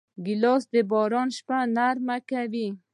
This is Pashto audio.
ګیلاس د باران شپه نرمه کوي.